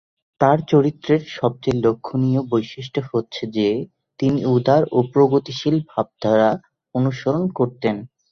তাঁর চরিত্রের সবচেয়ে লক্ষণীয় বৈশিষ্ট্য হচ্ছে যে, তিনি উদার ও প্রগতিশীল ভাবধারা অনুসরণ করতেন।